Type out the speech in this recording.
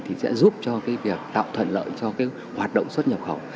thì sẽ giúp cho cái việc tạo thuận lợi cho cái hoạt động xuất nhập khẩu